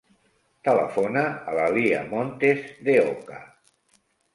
Telefona a la Lya Montes De Oca.